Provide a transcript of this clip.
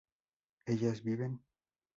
¿ellas viven?